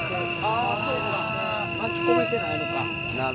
あそうか巻き込めてないのか。